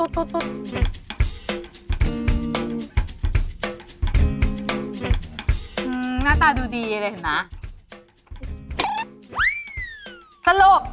ถูกถูก